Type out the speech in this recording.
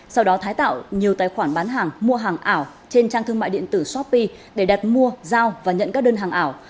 sau đó thái tạo nhiều tài khoản bán hàng mua hàng ảo trên trang thương mại điện tử shopee để đặt mua giao và nhận các đơn hàng ảo